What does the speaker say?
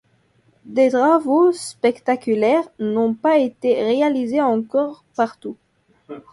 Des travaux spectaculaires n'ont pas été réalisés encore partout.